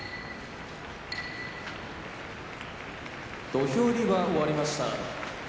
土俵入りは終わりました。